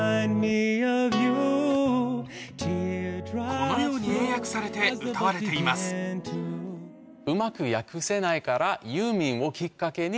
このように英訳されて歌われていますから。